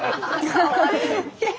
かわいい。